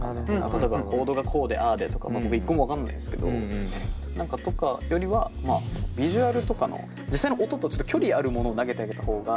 例えばコードがこうでああでとか僕１個も分かんないんですけど何かとかよりはまあビジュアルとかの実際の音とちょっと距離あるものを投げてあげた方が。